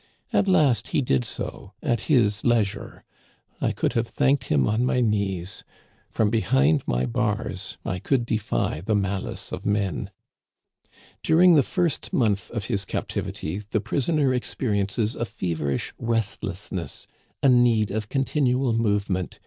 At last he did so, at his leisure. I could have thanked him on my knees. From behind my bars I could defy the malice of men. " During the first month of his captivity the prisoner experiences a feverish restlessness, a need of continual movement.